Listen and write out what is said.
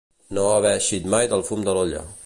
No haver eixit mai del fum de l'olla.